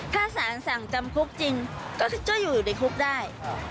ถ้าสารสั่งจำคุกจริงก็อยู่ในคุกได้